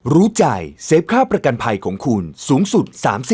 รู้ใจเซฟค่าประกันภัยของคุณสูงสุด๓๐